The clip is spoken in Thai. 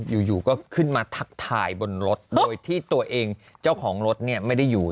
อยู่ก็ขึ้นมาทักทายบนรถโดยที่ตัวเองเจ้าของรถเนี่ยไม่ได้อยู่